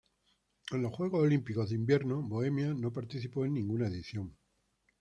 En los Juegos Olímpicos de Invierno Bohemia no participó en ninguna edición.